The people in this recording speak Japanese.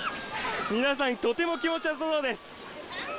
皆さん、とても気持ちよさそうです